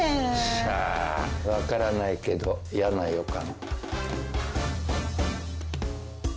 さあ分からないけどやな予感。